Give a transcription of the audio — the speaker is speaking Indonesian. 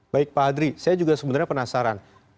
baik pak adri saya juga sebenarnya penasaran